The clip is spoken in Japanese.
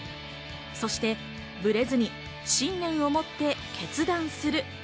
そしてブレずに信念を持って決断する。